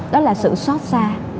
đó là sự xót xa